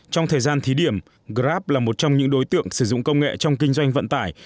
trong thời gian thí điểm grab là một trong những đối tượng sử dụng công nghệ trong kinh doanh vận tải